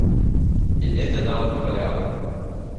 І недзе нават млявым.